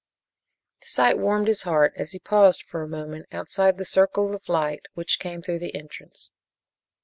The sight warmed his heart as he paused for a moment outside the circle of light which came through the entrance.